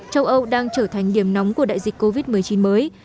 châu âu đang trở thành điểm nóng của đại dịch covid một mươi chín mới